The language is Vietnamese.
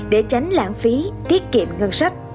để tránh lãng phí thiết kiệm ngân sách